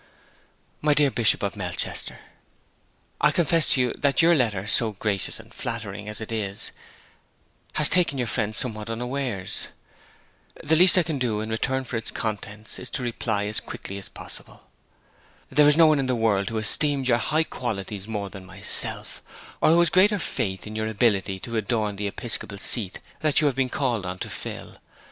'MY DEAR BISHOP OF MELCHESTER, I confess to you that your letter, so gracious and flattering as it is, has taken your friend somewhat unawares. The least I can do in return for its contents is to reply as quickly as possible. 'There is no one in the world who esteems your high qualities more than myself, or who has greater faith in your ability to adorn the episcopal seat that you have been called on to fill.